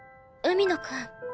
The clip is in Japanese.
海野くん。